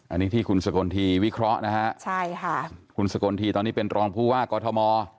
อันนี้ที่คุณสกลทีวิเคราะห์นะฮะใช่ค่ะคุณสกลทีตอนนี้เป็นรองผู้ว่ากอทม